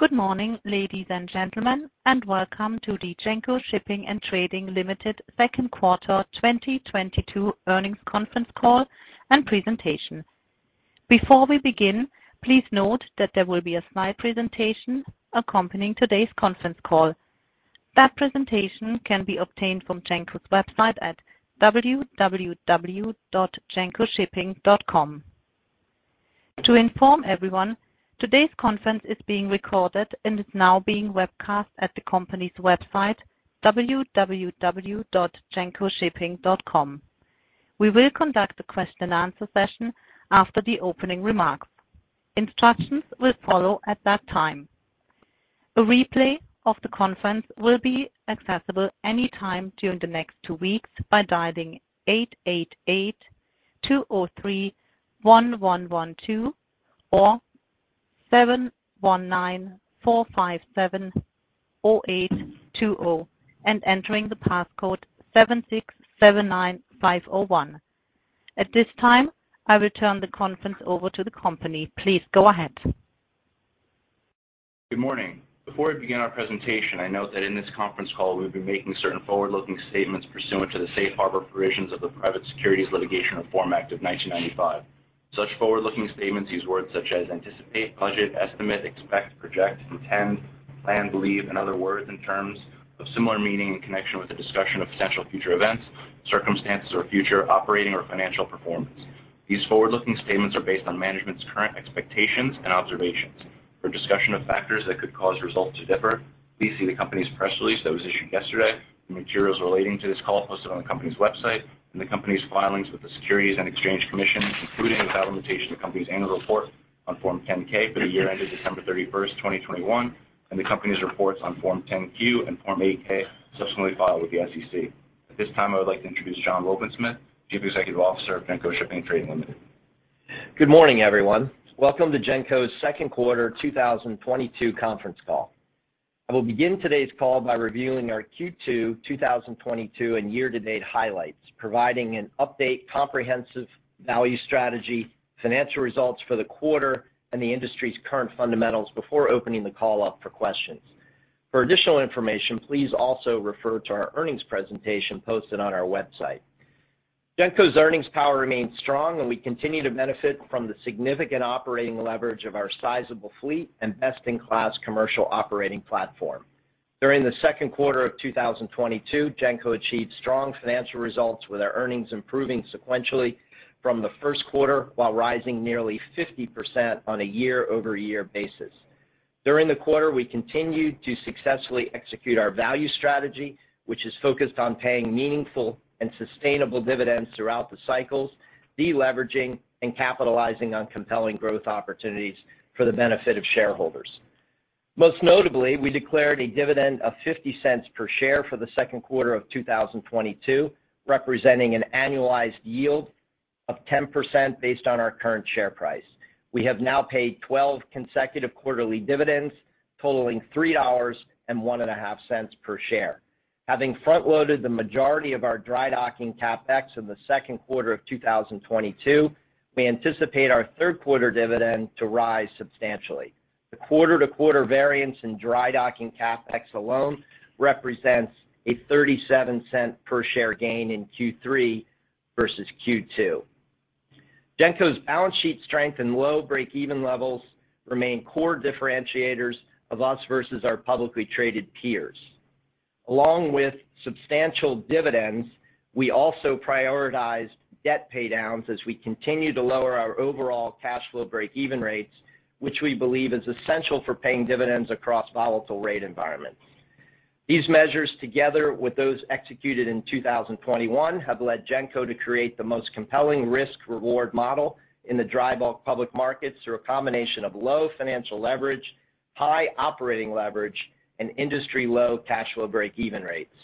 Good morning, ladies and gentlemen, and welcome to the Genco Shipping & Trading Limited second quarter 2022 earnings conference call and presentation. Before we begin, please note that there will be a slide presentation accompanying today's conference call. That presentation can be obtained from Genco's website at www.gencoshipping.com. To inform everyone, today's conference is being recorded and is now being webcast at the company's website, www.gencoshipping.com. We will conduct a question-and-answer session after the opening remarks. Instructions will follow at that time. A replay of the conference will be accessible any time during the next two weeks by dialing 888-203-1112 or 719-457-0820 and entering the passcode 7679501. At this time, I return the conference over to the company. Please go ahead. Good morning. Before we begin our presentation, I note that in this conference call we will be making certain forward-looking statements pursuant to the Safe Harbor provisions of the Private Securities Litigation Reform Act of 1995. Such forward-looking statements use words such as anticipate, budget, estimate, expect, project, intend, plan, believe, and other words and terms of similar meaning in connection with the discussion of potential future events, circumstances, or future operating or financial performance. These forward-looking statements are based on management's current expectations and observations. For discussion of factors that could cause results to differ, please see the company's press release that was issued yesterday and materials relating to this call posted on the company's website and the company's filings with the Securities and Exchange Commission, including without limitation the company's annual report on Form 10-K for the year ended December 31, 2021, and the company's reports on Form 10-Q and Form 8-K subsequently filed with the SEC. At this time, I would like to introduce John Wobensmith, Chief Executive Officer of Genco Shipping & Trading Limited. Good morning, everyone. Welcome to Genco's second quarter 2022 conference call. I will begin today's call by reviewing our Q2 2022 and year-to-date highlights, providing an update, comprehensive value strategy, financial results for the quarter, and the industry's current fundamentals before opening the call up for questions. For additional information, please also refer to our earnings presentation posted on our website. Genco's earnings power remains strong, and we continue to benefit from the significant operating leverage of our sizable fleet and best-in-class commercial operating platform. During the second quarter of 2022, Genco achieved strong financial results with our earnings improving sequentially from the first quarter while rising nearly 50% on a year-over-year basis. During the quarter, we continued to successfully execute our value strategy, which is focused on paying meaningful and sustainable dividends throughout the cycles, deleveraging and capitalizing on compelling growth opportunities for the benefit of shareholders. Most notably, we declared a dividend of $0.50 per share for the second quarter of 2022, representing an annualized yield of 10% based on our current share price. We have now paid 12 consecutive quarterly dividends totaling $3.015 per share. Having front-loaded the majority of our dry docking CapEx in the second quarter of 2022, we anticipate our third quarter dividend to rise substantially. The quarter-to-quarter variance in dry docking CapEx alone represents a $0.37 per share gain in Q3 versus Q2. Genco's balance sheet strength and low break-even levels remain core differentiators of us versus our publicly traded peers. Along with substantial dividends, we also prioritized debt paydowns as we continue to lower our overall cash flow break-even rates, which we believe is essential for paying dividends across volatile rate environments. These measures, together with those executed in 2021, have led Genco to create the most compelling risk-reward model in the dry bulk public markets through a combination of low financial leverage, high operating leverage, and industry-low cash flow break-even rates.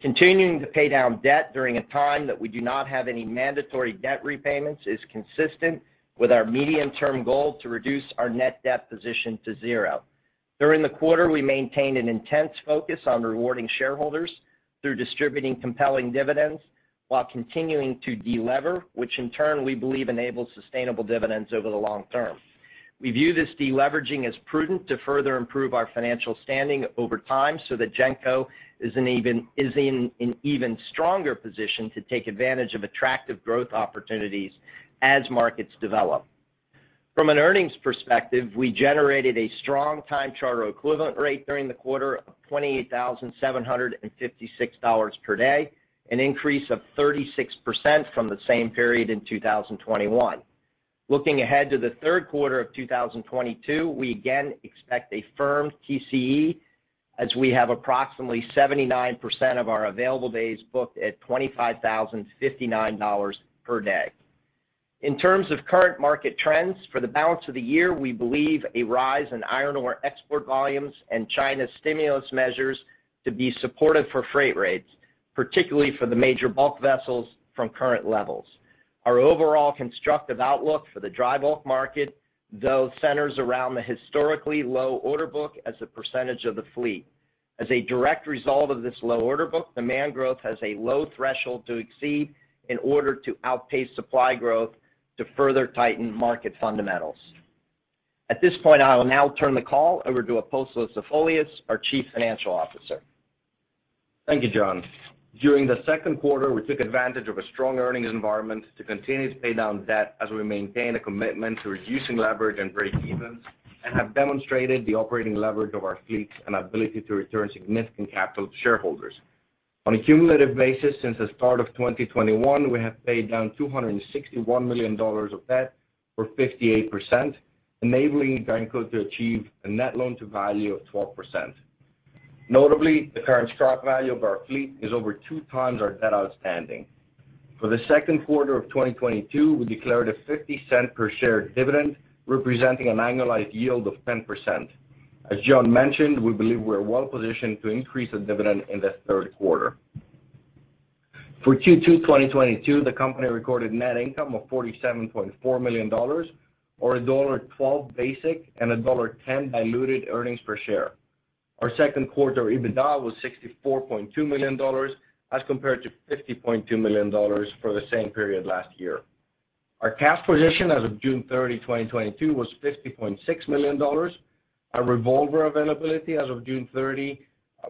Continuing to pay down debt during a time that we do not have any mandatory debt repayments is consistent with our medium-term goal to reduce our net debt position to zero. During the quarter, we maintained an intense focus on rewarding shareholders through distributing compelling dividends while continuing to delever, which in turn we believe enables sustainable dividends over the long term. We view this deleveraging as prudent to further improve our financial standing over time so that Genco is in an even stronger position to take advantage of attractive growth opportunities as markets develop. From an earnings perspective, we generated a strong time charter equivalent rate during the quarter of $28,756 per day, an increase of 36% from the same period in 2021. Looking ahead to the third quarter of 2022, we again expect a firm TCE as we have approximately 79% of our available days booked at $25,059 per day. In terms of current market trends, for the balance of the year, we believe a rise in iron ore export volumes and China's stimulus measures to be supportive for freight rates, particularly for the major bulk vessels from current levels. Our overall constructive outlook for the dry bulk market, though, centers around the historically low order book as a percentage of the fleet. As a direct result of this low order book, demand growth has a low threshold to exceed in order to outpace supply growth to further tighten market fundamentals. At this point, I will now turn the call over to Apostolos Zafolias, our Chief Financial Officer. Thank you, John. During the second quarter, we took advantage of a strong earnings environment to continue to pay down debt as we maintain a commitment to reducing leverage and breakevens, and have demonstrated the operating leverage of our fleets and ability to return significant capital to shareholders. On a cumulative basis since the start of 2021, we have paid down $261 million of debt or 58%, enabling Genco to achieve a net loan to value of 12%. Notably, the current stock value of our fleet is over 2x our debt outstanding. For the second quarter of 2022, we declared a $0.50 per share dividend, representing an annualized yield of 10%. As John mentioned, we believe we're well-positioned to increase the dividend in the third quarter. For Q2, 2022, the company recorded net income of $47.4 million or $1.12 basic and $1.10 diluted earnings per share. Our second quarter EBITDA was $64.2 million as compared to $50.2 million for the same period last year. Our cash position as of June 30, 2022 was $50.6 million. Our revolver availability as of June 30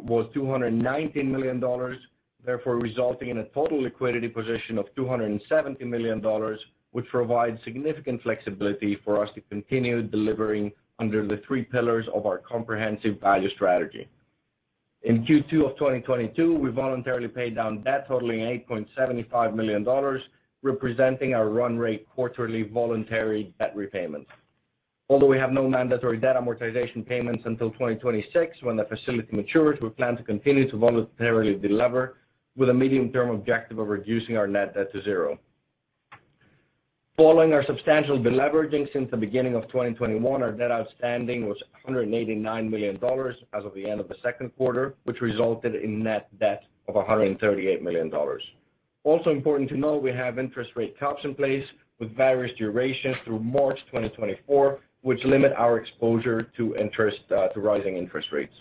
was $219 million, therefore resulting in a total liquidity position of $270 million, which provides significant flexibility for us to continue delivering under the three pillars of our comprehensive value strategy. In Q2 of 2022, we voluntarily paid down debt totaling $8.75 million, representing our run rate quarterly voluntary debt repayments. Although we have no mandatory debt amortization payments until 2026 when the facility matures, we plan to continue to voluntarily delever with a medium-term objective of reducing our net debt to zero. Following our substantial deleveraging since the beginning of 2021, our debt outstanding was $189 million as of the end of the second quarter, which resulted in net debt of $138 million. Also important to note, we have interest rate caps in place with various durations through March 2024, which limit our exposure to interest, to rising interest rates.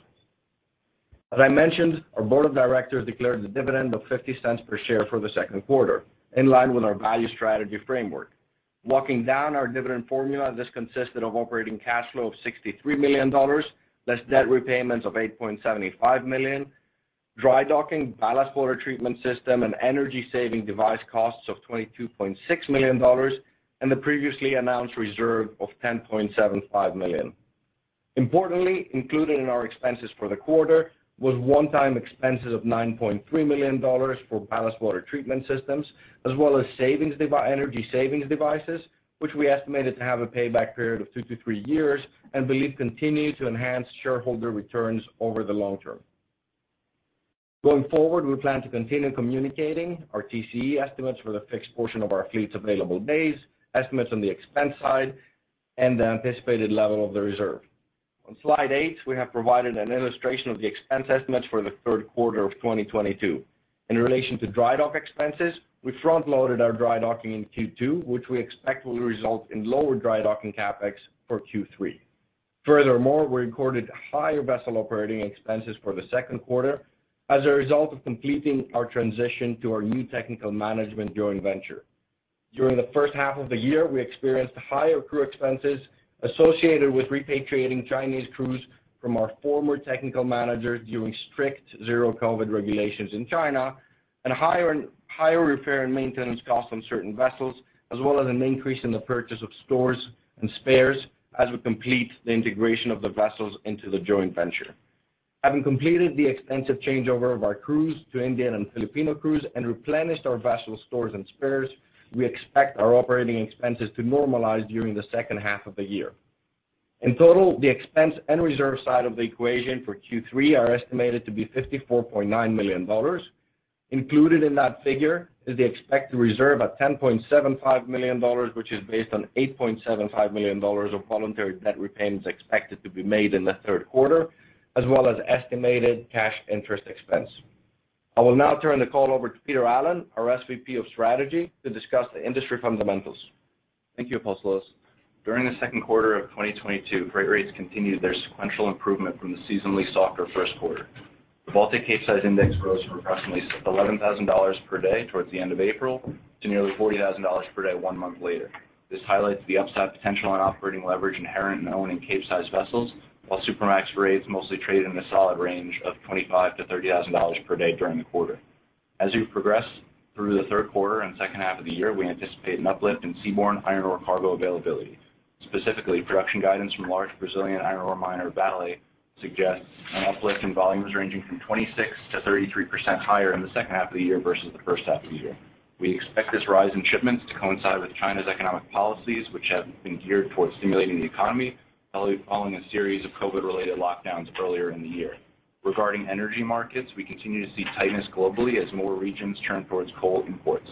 As I mentioned, our board of directors declared a dividend of $0.50 per share for the second quarter, in line with our value strategy framework. Walking down our dividend formula, this consisted of operating cash flow of $63 million, less debt repayments of $8.75 million, dry docking ballast water treatment system and energy saving device costs of $22.6 million, and the previously announced reserve of $10.75 million. Importantly, included in our expenses for the quarter was one-time expenses of $9.3 million for ballast water treatment systems, as well as energy savings devices, which we estimated to have a payback period of two to three years and believe continue to enhance shareholder returns over the long term. Going forward, we plan to continue communicating our TCE estimates for the fixed portion of our fleet's available days, estimates on the expense side, and the anticipated level of the reserve. On slide eight, we have provided an illustration of the expense estimates for the third quarter of 2022. In relation to dry dock expenses, we front-loaded our dry docking in Q2, which we expect will result in lower dry docking CapEx for Q3. Furthermore, we recorded higher vessel operating expenses for the second quarter as a result of completing our transition to our new technical management joint venture. During the first half of the year, we experienced higher crew expenses associated with repatriating Chinese crews from our former technical manager during strict zero COVID regulations in China and higher and higher repair and maintenance costs on certain vessels, as well as an increase in the purchase of stores and spares as we complete the integration of the vessels into the joint venture. Having completed the extensive changeover of our crews to Indian and Filipino crews and replenished our vessel stores and spares, we expect our operating expenses to normalize during the second half of the year. In total, the expense and reserve side of the equation for Q3 are estimated to be $54.9 million. Included in that figure is the expected reserve at $10.75 million, which is based on $8.75 million of voluntary debt repayments expected to be made in the third quarter, as well as estimated cash interest expense. I will now turn the call over to Peter Allen, our SVP of Strategy, to discuss the industry fundamentals. Thank you, Apostolos. During the second quarter of 2022, freight rates continued their sequential improvement from the seasonally softer first quarter. The Baltic Capesize Index rose from approximately $11,000 per day towards the end of April to nearly $40,000 per day one month later. This highlights the upside potential on operating leverage inherent in owning Capesize vessels, while Supramax rates mostly traded in the solid range of $25,000-$30,000 per day during the quarter. As we progress through the third quarter and second half of the year, we anticipate an uplift in seaborne iron ore cargo availability. Specifically, production guidance from large Brazilian iron ore miner Vale suggests an uplift in volumes ranging from 26%-33% higher in the second half of the year versus the first half of the year. We expect this rise in shipments to coincide with China's economic policies, which have been geared towards stimulating the economy following a series of COVID-related lockdowns earlier in the year. Regarding energy markets, we continue to see tightness globally as more regions turn towards coal imports.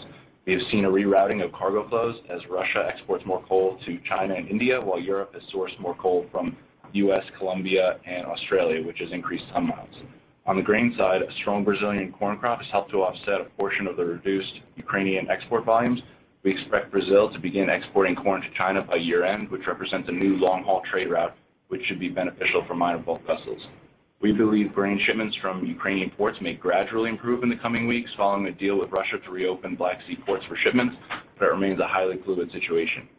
We have seen a rerouting of cargo flows as Russia exports more coal to China and India, while Europe has sourced more coal from U.S., Colombia, and Australia, which has increased ton-miles. On the grain side, a strong Brazilian corn crop has helped to offset a portion of the reduced Ukrainian export volumes. We expect Brazil to begin exporting corn to China by year-end, which represents a new long-haul trade route, which should be beneficial for minor bulk vessels. We believe grain shipments from Ukrainian ports may gradually improve in the coming weeks following a deal with Russia to reopen Black Sea ports for shipments, but it remains a highly fluid situation.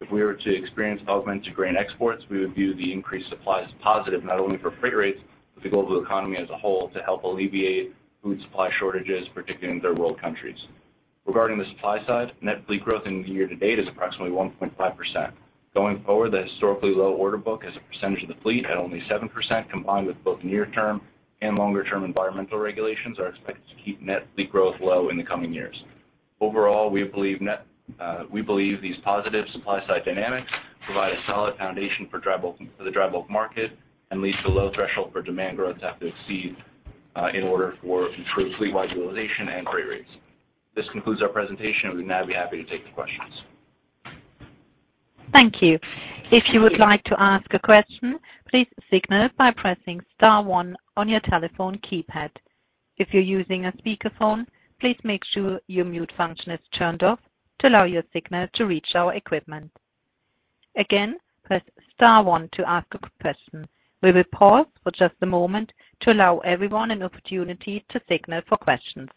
If we were to experience augmented grain exports, we would view the increased supply as positive, not only for freight rates, but the global economy as a whole to help alleviate food supply shortages, particularly in third world countries. Regarding the supply side, net fleet growth in year-to-date is approximately 1.5%. Going forward, the historically low order book as a percentage of the fleet at only 7%, combined with both near term and longer term environmental regulations, are expected to keep net fleet growth low in the coming years. Overall, we believe these positive supply side dynamics provide a solid foundation for dry bulk, for the dry bulk market and leads to a low threshold for demand growth to have to exceed in order for improved fleet wide utilization and freight rates. This concludes our presentation. We'd now be happy to take the questions. Thank you. If you would like to ask a question, please signal by pressing star one on your telephone keypad. If you're using a speakerphone, please make sure your mute function is turned off to allow your signal to reach our equipment. Again, press star one to ask a question. We will pause for just a moment to allow everyone an opportunity to signal for questions.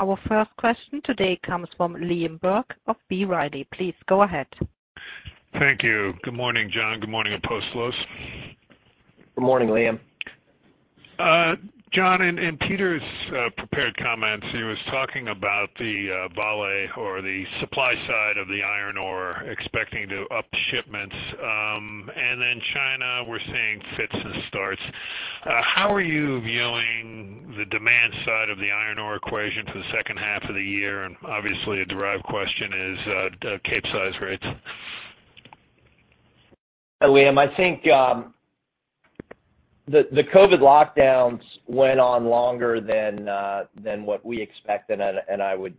Our first question today comes from Liam Burke of B. Riley. Please go ahead. Thank you. Good morning, John. Good morning, Apostolos. Good morning, Liam. John, in Peter's prepared comments, he was talking about the Vale or the supply side of the iron ore expecting to up shipments, and then China, we're seeing fits and starts. How are you viewing the demand side of the iron ore equation for the second half of the year? Obviously a derived question is the Capesize rates. Liam, I think the COVID lockdowns went on longer than what we expected, and I would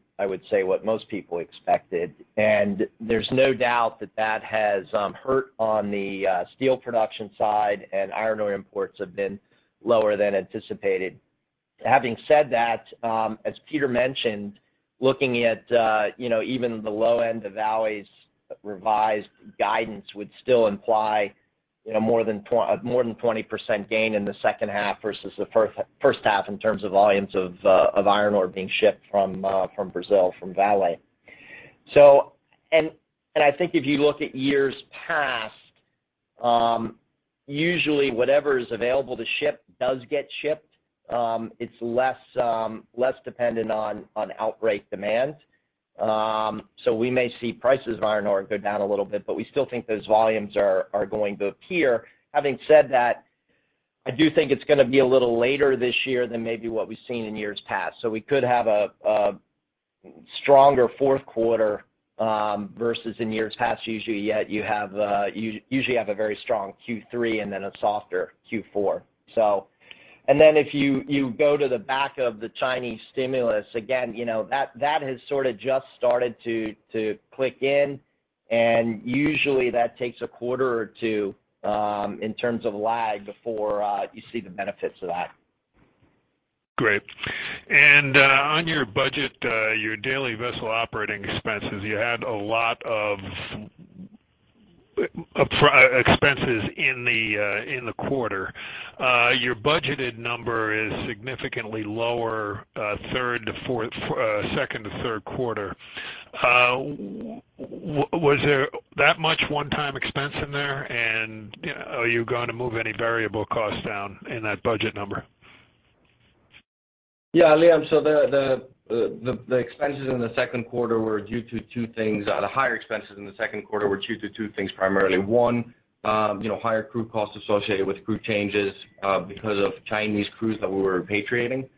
say what most people expected. There's no doubt that has hurt on the steel production side and iron ore imports have been lower than anticipated. Having said that, as Peter mentioned, looking at, you know, even the low end of Vale's revised guidance would still imply, you know, more than 20% gain in the second half versus the first half in terms of volumes of iron ore being shipped from Brazil, from Vale. I think if you look at years past, usually whatever is available to ship does get shipped. It's less dependent on outbreak demand. We may see prices of iron ore go down a little bit, but we still think those volumes are going to appear. Having said that, I do think it's going to be a little later this year than maybe what we've seen in years past. We could have a stronger fourth quarter versus in years past. Usually you have a very strong Q3 and then a softer Q4. If you go to the back of the Chinese stimulus again, you know, that has sort of just started to click in. Usually that takes a quarter or two in terms of lag before you see the benefits of that. Great. On your budget, your daily vessel operating expenses, you had a lot of expenses in the quarter. Your budgeted number is significantly lower, third to fourth, second to third quarter. Was there that much one-time expense in there? You know, are you going to move any variable costs down in that budget number? Yeah, Liam, the expenses in the second quarter were due to two things. The higher expenses in the second quarter were due to two things, primarily. One, you know, higher crew costs associated with crew changes, because of Chinese crews that we were repatriating.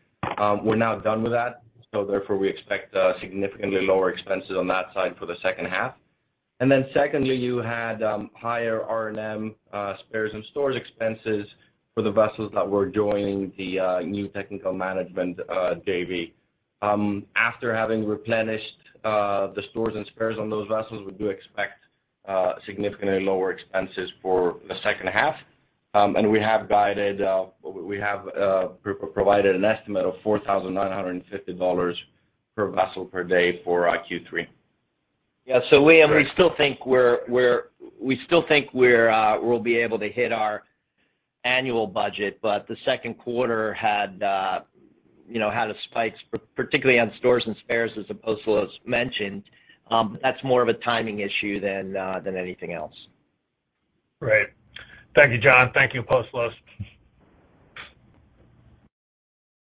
We're now done with that, so therefore we expect significantly lower expenses on that side for the second half. Then secondly, you had higher R&M, spares and stores expenses for the vessels that were joining the new technical management JV. After having replenished the stores and spares on those vessels, we do expect significantly lower expenses for the second half. We have guided, we have provided an estimate of $4,950 per vessel per day for Q3. Great. Yeah. Liam, we still think we're we'll be able to hit our annual budget, but the second quarter had you know a spike particularly on stores and spares, as Apostolos mentioned. That's more of a timing issue than anything else. Great. Thank you, John. Thank you, Apostolos.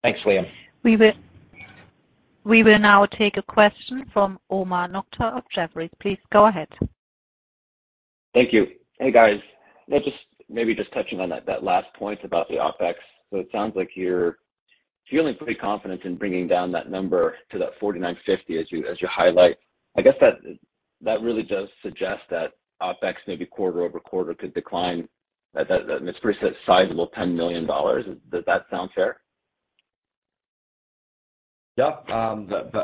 Thanks, Liam. We will now take a question from Omar Nokta of Jefferies. Please go ahead. Thank you. Hey, guys. Let's just maybe touching on that last point about the OpEx. It sounds like you're feeling pretty confident in bringing down that number to that $49.50 as you highlight. I guess that really does suggest that OpEx maybe quarter-over-quarter could decline at that pretty sizable $10 million. Does that sound fair? Yeah.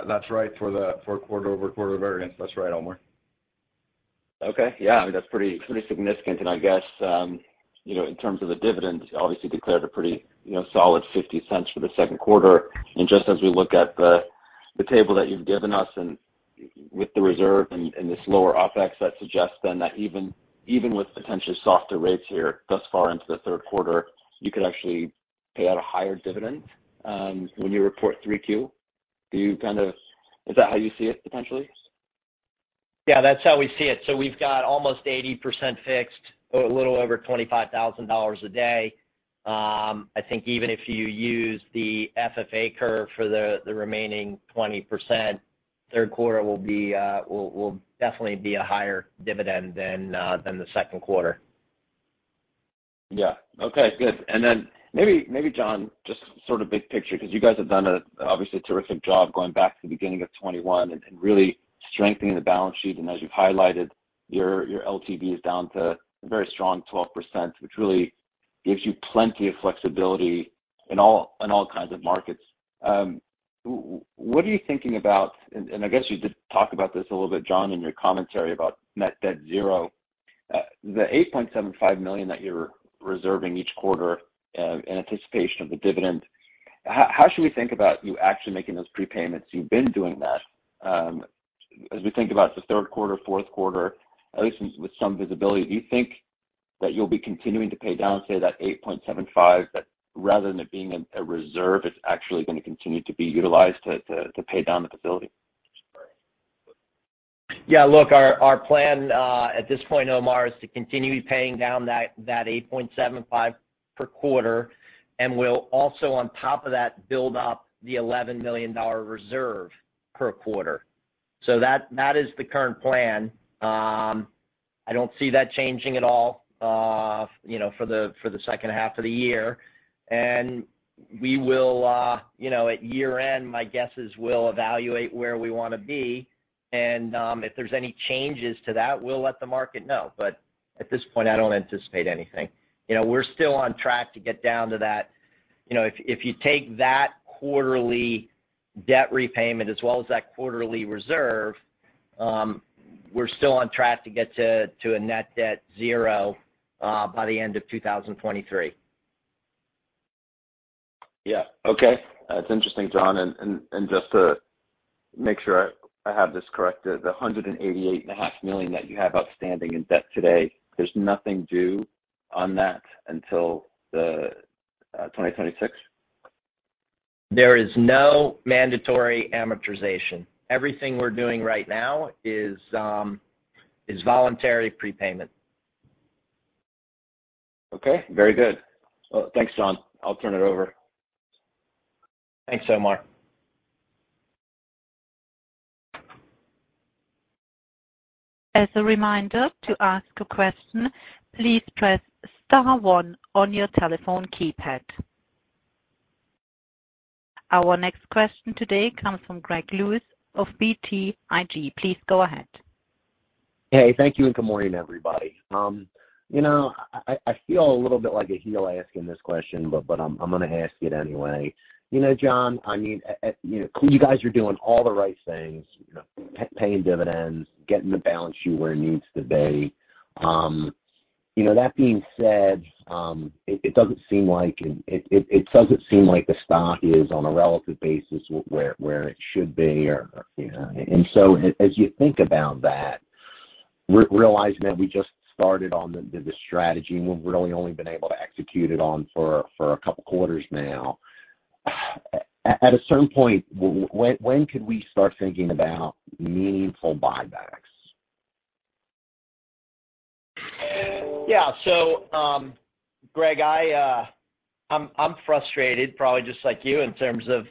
That's right. For quarter-over-quarter variance. That's right, Omar. Okay. Yeah, I mean, that's pretty significant. I guess, you know, in terms of the dividend, obviously declared a pretty, you know, solid $0.50 for the second quarter. Just as we look at the table that you've given us and with the reserve and this lower OpEx, that suggests then that even with potentially softer rates here thus far into the third quarter, you could actually pay out a higher dividend when you report 3Q. Is that how you see it potentially? Yeah, that's how we see it. We've got almost 80% fixed or a little over $25,000 a day. I think even if you use the FFA curve for the remaining 20%, third quarter will definitely be a higher dividend than the second quarter. Yeah. Okay, good. Maybe John, just sort of big picture, because you guys have done an obviously terrific job going back to the beginning of 2021 and really strengthening the balance sheet. As you've highlighted, your LTV is down to a very strong 12%, which really gives you plenty of flexibility in all kinds of markets. What are you thinking about? I guess you did talk about this a little bit, John, in your commentary about net debt zero. The $8.75 million that you're reserving each quarter in anticipation of the dividend, how should we think about you actually making those prepayments? You've been doing that as we think about the third quarter, fourth quarter, at least with some visibility. Do you think that you'll be continuing to pay down, say, that $8.75 million, that rather than it being a reserve, it's actually gonna continue to be utilized to pay down the facility? Yeah. Look, our plan at this point, Omar, is to continue paying down that $8.75 million per quarter, and we'll also on top of that, build up the $11 million reserve per quarter. That is the current plan. I don't see that changing at all, you know, for the second half of the year. We will, you know, at year end, my guess is we'll evaluate where we wanna be, and if there's any changes to that, we'll let the market know. At this point, I don't anticipate anything. You know, we're still on track to get down to that. You know, if you take that quarterly debt repayment as well as that quarterly reserve, we're still on track to get to a net debt zero by the end of 2023. Yeah. Okay. That's interesting, John. Just to make sure I have this correct, the $188.5 million that you have outstanding in debt today, there's nothing due on that until the 2026? There is no mandatory amortization. Everything we're doing right now is voluntary prepayment. Okay. Very good. Well, thanks, John. I'll turn it over. Thanks, Omar. As a reminder, to ask a question, please press star one on your telephone keypad. Our next question today comes from Greg Lewis of BTIG. Please go ahead. Hey, thank you, and good morning, everybody. You know, I feel a little bit like a heel asking this question, but I'm gonna ask it anyway. You know, John, I mean, you know, you guys are doing all the right things, you know, paying dividends, getting the balance sheet where it needs to be. You know, that being said, it doesn't seem like the stock is on a relative basis where it should be or, you know. As you think about that, realizing that we just started on the strategy, and we've really only been able to execute it on for a couple of quarters now. At a certain point, when could we start thinking about meaningful buybacks? Yeah. Greg, I'm frustrated probably just like you in terms of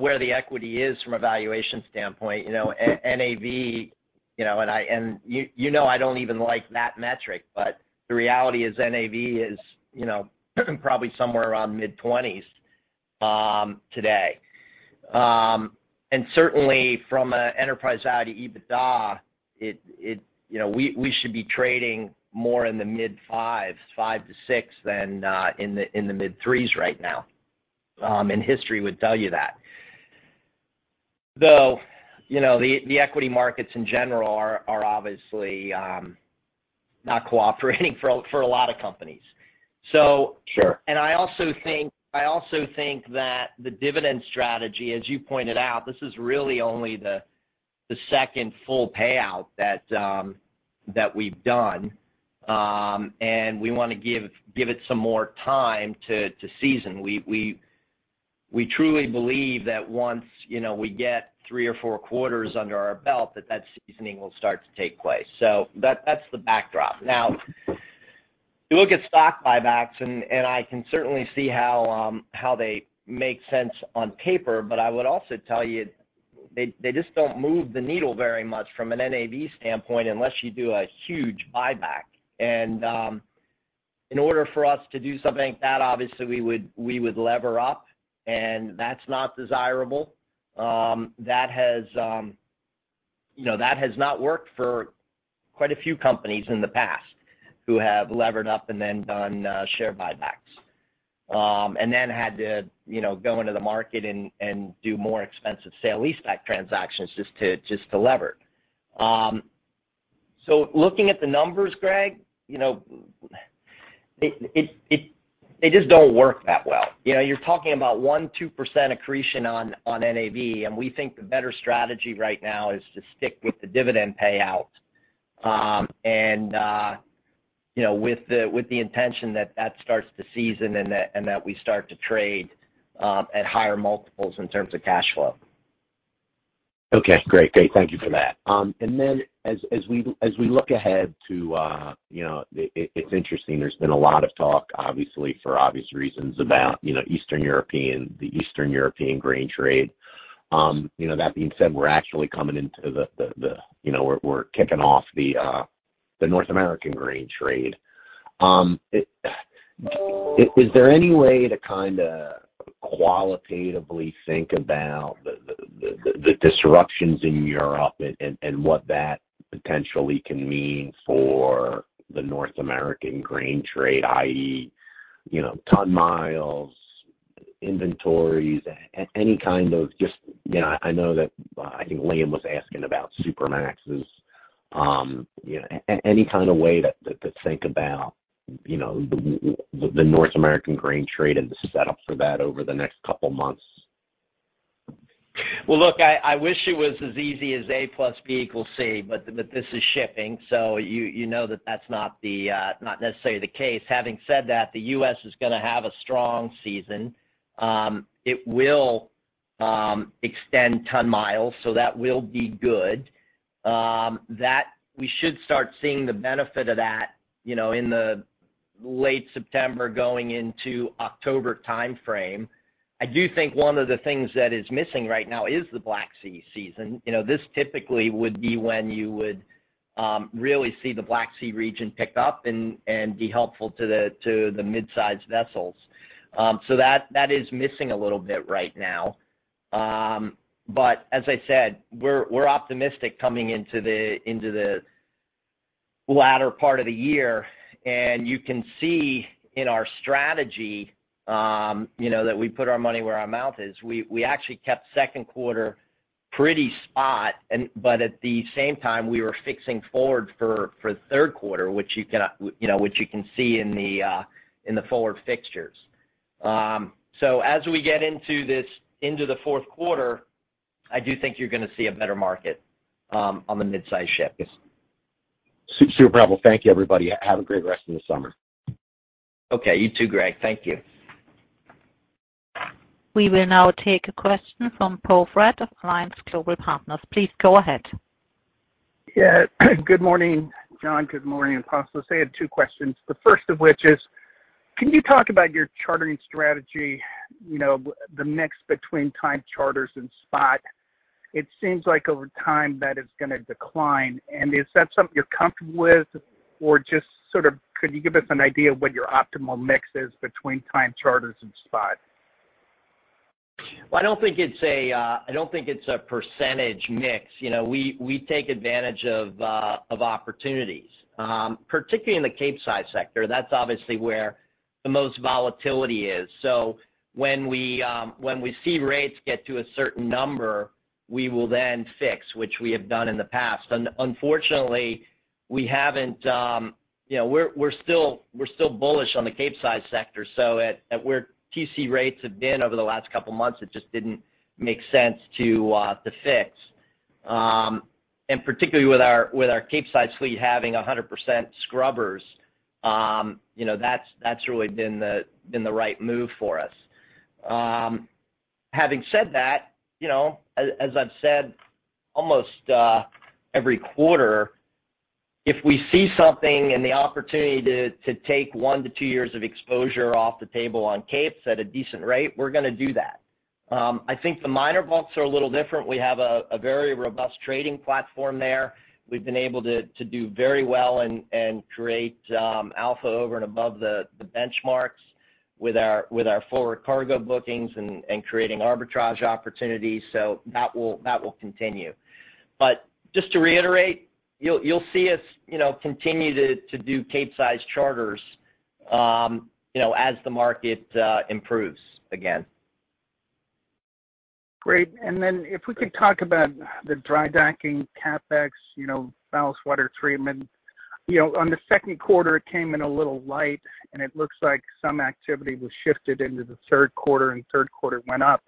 where the equity is from a valuation standpoint. You know, NAV, you know, you know I don't even like that metric, but the reality is NAV is, you know, probably somewhere around mid-20s today. And certainly from a enterprise value to EBITDA. You know, we should be trading more in the mid-5s, 5-6 than in the mid-3s right now, and history would tell you that. Though, you know, the equity markets in general are obviously not cooperating for a lot of companies. Sure. I also think that the dividend strategy, as you pointed out, this is really only the second full payout that we've done, and we wanna give it some more time to season. We truly believe that once, you know, we get three or four quarters under our belt, that seasoning will start to take place. That's the backdrop. Now, you look at stock buybacks, and I can certainly see how they make sense on paper, but I would also tell you they just don't move the needle very much from an NAV standpoint unless you do a huge buyback. In order for us to do something like that, obviously, we would lever up, and that's not desirable. That has, you know, that has not worked for quite a few companies in the past who have levered up and then done share buybacks. Then had to, you know, go into the market and do more expensive sale-leaseback transactions just to lever. Looking at the numbers, Greg, you know, they just don't work that well. You know, you're talking about 1%-2% accretion on NAV, and we think the better strategy right now is to stick with the dividend payout. You know, with the intention that starts to season and that we start to trade at higher multiples in terms of cash flow. Okay. Great. Thank you for that. And then as we look ahead to, you know, it's interesting, there's been a lot of talk obviously for obvious reasons about, you know, Eastern European grain trade. That being said, we're actually coming into the North American grain trade. You know, we're kicking off the North American grain trade. Is there any way to kinda qualitatively think about the disruptions in Europe and what that potentially can mean for the North American grain trade, i.e. you know, ton-miles, inventories, any kind of, you know. I know that, I think Liam was asking about Supramaxes. You know, any kind of way to think about, you know, the North American grain trade and the setup for that over the next couple of months? Well, look, I wish it was as easy as A plus B equals C, but this is shipping, so you know that that's not necessarily the case. Having said that, the U.S. is going to have a strong season. It will extend ton-miles, so that will be good. That we should start seeing the benefit of that, you know, in the late September going into October timeframe. I do think one of the things that is missing right now is the Black Sea season. You know, this typically would be when you would really see the Black Sea region pick up and be helpful to the mid-sized vessels. So that is missing a little bit right now. As I said, we're optimistic coming into the latter part of the year. You can see in our strategy, you know, that we put our money where our mouth is. We actually kept second quarter pretty spot, and at the same time, we were fixing forward for third quarter, which you can, you know, see in the forward fixtures. As we get into the fourth quarter, I do think you're going to see a better market on the mid-size ships. Super. Bravo. Thank you, everybody. Have a great rest of the summer. Okay. You too, Greg. Thank you. We will now take a question from Poe Fratt of Alliance Global Partners. Please go ahead. Yeah. Good morning, John. Good morning, Apostolos. I had two questions. The first of which is, can you talk about your chartering strategy, you know, the mix between time charters and spot? It seems like over time that is going to decline. Is that something you're comfortable with or just sort of could you give us an idea of what your optimal mix is between time charters and spot? Well, I don't think it's a percentage mix. You know, we take advantage of opportunities, particularly in the Capesize sector. That's obviously where the most volatility is. When we see rates get to a certain number, we will then fix, which we have done in the past. Unfortunately, we haven't. You know, we're still bullish on the Capesize sector. At where TCE rates have been over the last couple of months, it just didn't make sense to fix. Particularly with our Capesize fleet having 100% scrubbers, you know, that's really been the right move for us. Having said that, you know, as I've said almost every quarter, if we see something and the opportunity to take one to two years of exposure off the table on Capesize at a decent rate, we're going to do that. I think the minor bulks are a little different. We have a very robust trading platform there. We've been able to do very well and create alpha over and above the benchmarks with our forward cargo bookings and creating arbitrage opportunities. That will continue. Just to reiterate, you'll see us, you know, continue to do Capesize charters as the market improves again. Great. Then if we could talk about the drydocking CapEx, you know, ballast water treatment. You know, on the second quarter, it came in a little light, and it looks like some activity was shifted into the third quarter, and third quarter went up.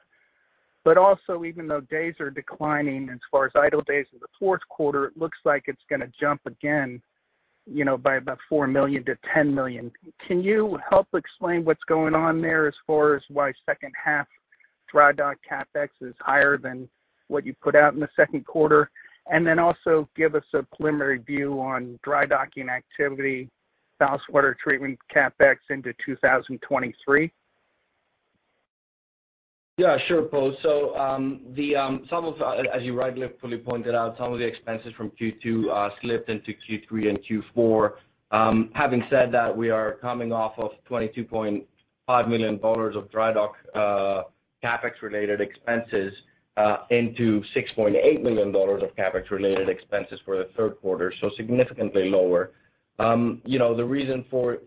Also, even though days are declining as far as idle days in the fourth quarter, it looks like it's going to jump again, you know, by about $4 million-$10 million. Can you help explain what's going on there as far as why second half drydocking CapEx is higher than what you put out in the second quarter? Also give us a preliminary view on drydocking activity, ballast water treatment CapEx into 2023. Yeah, sure, Poe. As you rightfully pointed out, some of the expenses from Q2 slipped into Q3 and Q4. Having said that, we are coming off of $22.5 million of dry dock CapEx related expenses into $6.8 million of CapEx related expenses for the third quarter, so significantly lower. You know, the reason for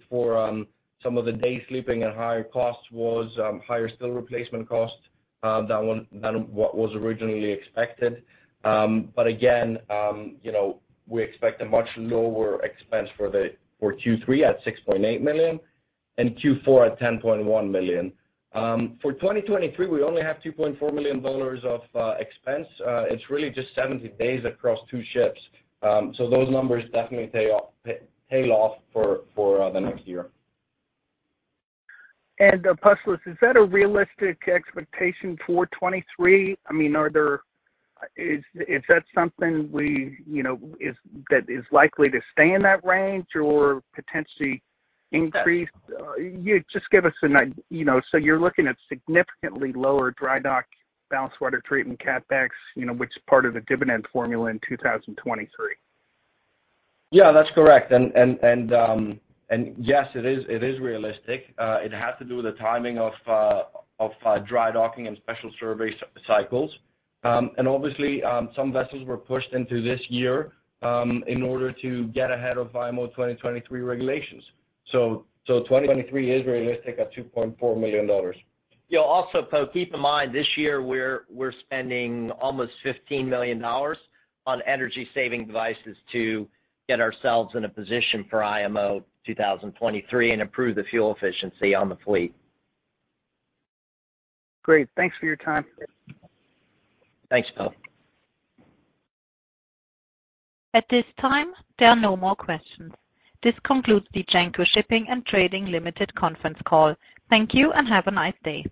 some of the delays and higher costs was higher steel replacement costs than what was originally expected. You know, we expect a much lower expense for Q3 at $6.8 million and Q4 at $10.1 million. For 2023, we only have $2.4 million of expense. It's really just 70 days across two ships. Those numbers definitely tail off for the next year. Apostolos, is that a realistic expectation for 2023? I mean, is that something we, you know, that is likely to stay in that range or potentially increase? You know, so you're looking at significantly lower dry dock ballast water treatment CapEx, you know, which is part of the dividend formula in 2023. Yeah, that's correct. Yes, it is realistic. It has to do with the timing of dry docking and special survey cycles. Obviously, some vessels were pushed into this year in order to get ahead of IMO 2023 regulations. 2023 is realistic at $2.4 million. Yeah. Also, Poe, keep in mind, this year we're spending almost $15 million on energy-saving devices to get ourselves in a position for IMO 2023 and improve the fuel efficiency on the fleet. Great. Thanks for your time. Thanks, Poe. At this time, there are no more questions. This concludes the Genco Shipping & Trading Limited conference call. Thank you, and have a nice day.